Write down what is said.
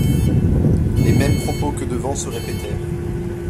Les mêmes propos que devant se répétèrent.